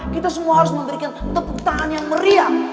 kita semua harus memberikan tepuk tangan yang meriam